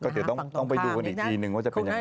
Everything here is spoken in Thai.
เดี๋ยวต้องไปดูกันอีกทีนึงว่าจะเป็นยังไง